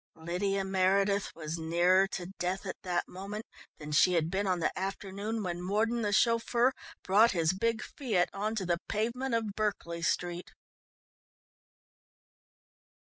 Lydia Meredith was nearer to death at that moment than she had been on the afternoon when Mordon the chauffeur brought his big Fiat on to the pavement of Berkeley Street.